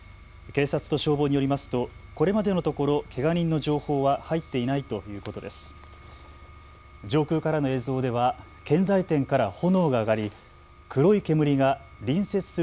警察と消防によりますとこれまでのところ、けが人の情報は入っていないということです。